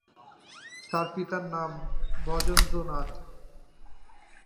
তাঁর পিতার নাম ব্রজেন্দ্রনাথ।